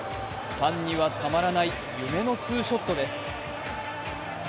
ファンにはたまらない夢のツーショットです。